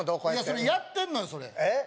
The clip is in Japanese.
それやってんのよそれえっ？